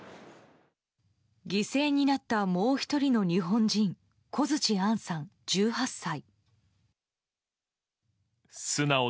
犠牲になったもう１人の日本人小槌杏さん、１８歳。